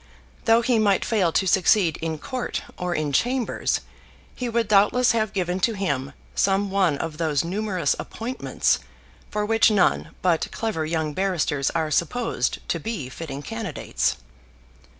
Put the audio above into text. Though he might fail to succeed in court or in chambers, he would doubtless have given to him some one of those numerous appointments for which none but clever young barristers are supposed to be fitting candidates.